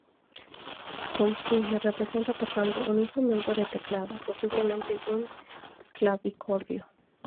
Poussin la representa tocando un instrumento de teclado, posiblemente un clavicordio.